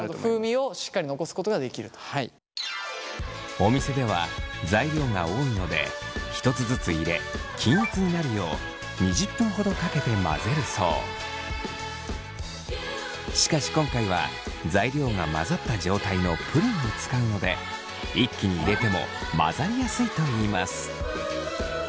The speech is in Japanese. お店では材料が多いので１つずつ入れ均一になるようしかし今回は材料が混ざった状態のプリンを使うので一気に入れても混ざりやすいといいます。